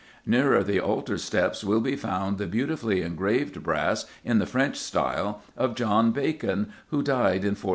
Nearer the altar steps will be found the beautifully engraved brass, in the French style, of John Bacon, who died in 1437.